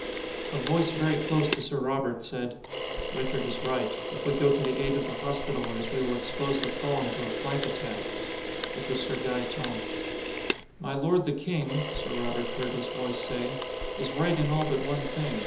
A voice very close to Sir Robert said: "Richard is right. If we go to the aid of the Hospitallers, we will expose the column to a flank attack." It was Sir Gaeton. "My lord the King," Sir Robert heard his voice say, "is right in all but one thing.